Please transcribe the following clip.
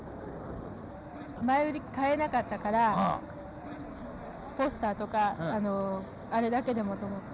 前売り買えなかったからポスターとかあれだけでもと思って。